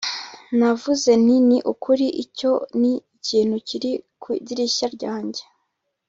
navuze nti ni ukuri, icyo ni ikintu kiri ku idirishya ryanjye